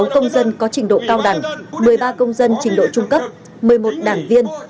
một mươi công dân có trình độ cao đẳng một mươi ba công dân trình độ trung cấp một mươi một đảng viên